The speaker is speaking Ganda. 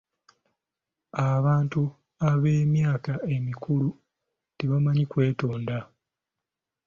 Abantu eb'emyaka emikulu tebamanyi kwetonda.